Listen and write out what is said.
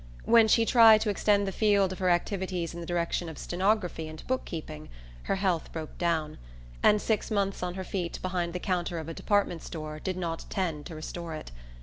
When she tried to extend the field of her activities in the direction of stenography and book keeping her health broke down, and six months on her feet behind the counter of a department store did not tend to restore it.